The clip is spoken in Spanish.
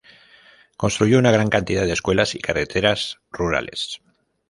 Construyó una gran cantidad de escuelas y carreteras rurales.